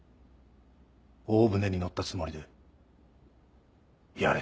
大船に乗ったつもりでやれ。